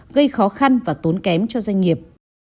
gây khó khăn và tốn kém cho doanh nghiệp